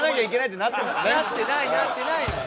なってないなってない。